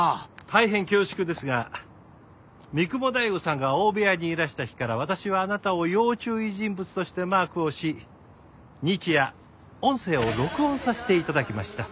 大変恐縮ですが三雲大悟さんが大部屋にいらした日から私はあなたを要注意人物としてマークをし日夜音声を録音させて頂きました。